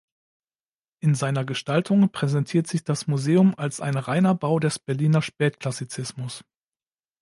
In seiner Gestaltung präsentiert sich das Museum als ein reiner Bau des Berliner Spätklassizismus.